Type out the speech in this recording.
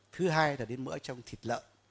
thứ hai là đến mỡ trong thịt lợn